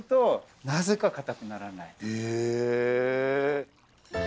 へえ。